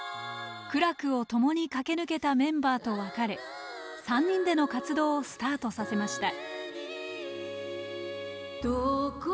苦楽をともに駆け抜けたメンバーと別れ３人での活動をスタートさせました。